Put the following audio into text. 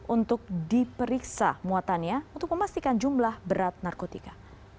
untuk diperiksa muatannya untuk memastikan jumlah berat narkotika